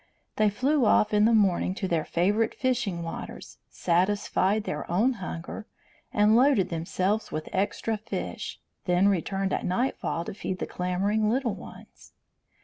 They flew off in the morning to their favourite fishing waters, satisfied their own hunger, and loaded themselves with extra fish, then returned at nightfall to feed the clamouring little ones.